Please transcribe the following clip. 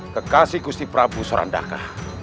kekasih gusti prabu sorandaka